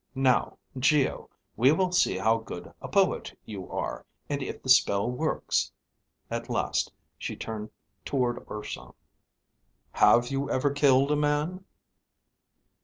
Now, Geo, we will see how good a poet you are, and if the spell works." At last she turned toward Urson. "Have you ever killed a man."